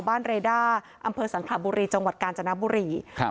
เรด้าอำเภอสังขระบุรีจังหวัดกาญจนบุรีครับ